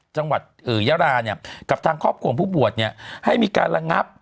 จังหวัดอย่าราเนี่ยทางครอบครุภ่วงรุมพบวทให้มีการระงับ